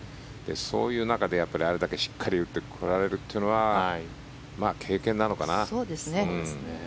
そういう中であれだけしっかり打ってこられるっていうのは経験なのかな。